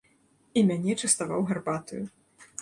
І мяне частаваў гарбатаю.